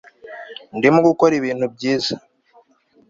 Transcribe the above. ndimo gukora ibintu byiza